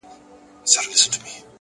زه چوپړ کي د ساقي پر خمخانه سوم,